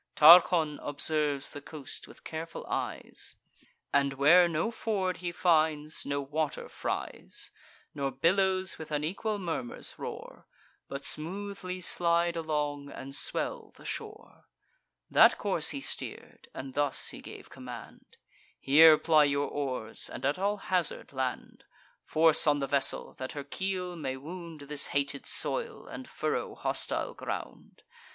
Tarchon observes the coast with careful eyes, And, where no ford he finds, no water fries, Nor billows with unequal murmurs roar, But smoothly slide along, and swell the shore, That course he steer'd, and thus he gave command: "Here ply your oars, and at all hazard land: Force on the vessel, that her keel may wound This hated soil, and furrow hostile ground.